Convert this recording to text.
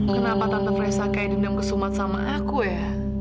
kenapa tante freysa kayak dindam kesumat sama aku ya